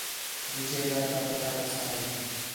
میٹھے گھر تا پتہ ݙَسّا ہِے